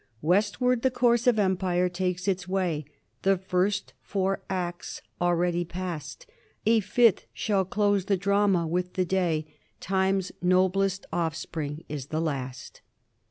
"Westward the course of empire takes its way; The first four acts already past, A fifth shall close the drama with the day; Timers noblest offspring is the last."